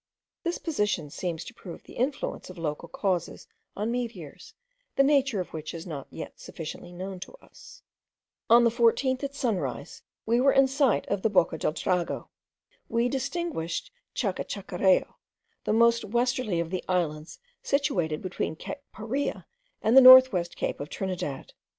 This position seems to prove the influence of local causes on meteors, the nature of which is not yet sufficiently known to us. On the 14th at sunrise, we were in sight of the Boca del Drago. We distinguished Chacachacarreo, the most westerly of the islands situated between Cape Paria and the north west cape of Trinidad.